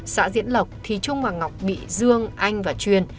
xã diễn lộc thì trung và ngọc bị dương anh và truyền